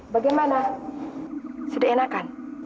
bagaimana sudah enak kan